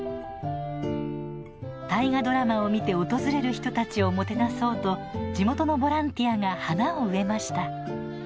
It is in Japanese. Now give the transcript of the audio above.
大河ドラマを見て訪れる人たちをもてなそうと地元のボランティアが花を植えました。